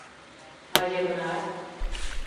А Йыгнат?